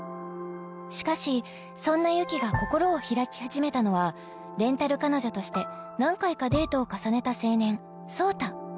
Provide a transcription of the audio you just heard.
しかしそんな雪が心を開き始めたのはレンタル彼女として何回かデートを重ねた青年壮太